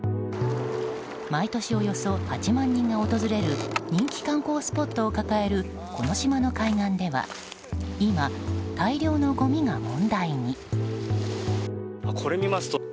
毎年およそ８万人が訪れる人気観光スポットを抱えるこの島の海岸では今、大量のごみが問題に。